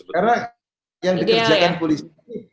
karena yang dikerjakan polisi